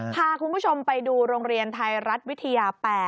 พาคุณผู้ชมไปดูโรงเรียนไทยรัฐวิทยา๘